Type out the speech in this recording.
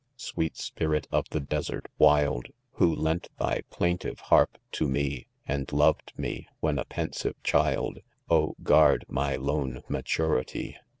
Sweet spirit of the desert wild. Who lent "thy plaintive harp to me. And loved me, when a pensive child*, Oh, guard my lone maturity